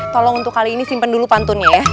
tolong untuk kali ini simpen dulu pantunnya ya